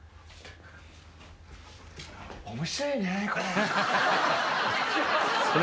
「面白いねこれ。